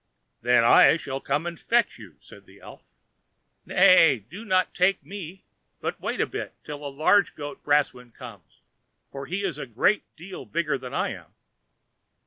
"Then I shall come and fetch you," said the elf. "Nay, do not take me, but wait a bit till the large goat Brausewind comes, for he is a great deal bigger than I am."